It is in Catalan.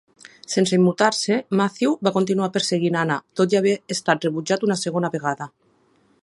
Sense immutar-se, Matthew va continuar perseguint Anna tot i haver estat rebutjat una segona vegada.